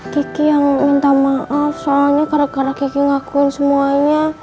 kiki yang minta maaf soalnya gara gara kiki ngakuin semuanya